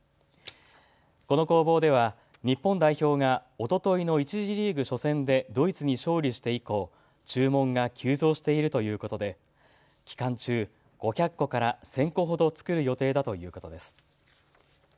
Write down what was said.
この工房では日本代表がおとといの１次リーグ初戦でドイツに勝利して以降、注文が急増しているということで期間中、５００個から１０００個ほど作る予定だということです。